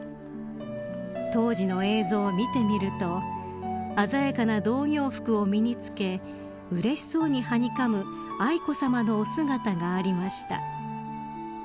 当時の映像を見てみると鮮やかな童形服を身につけうれしそうにはにかむ愛子さまのお姿がありました。